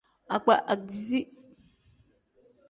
Akpa akpiizi.